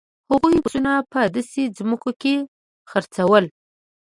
هغوی پسونه په داسې ځمکو کې څرول.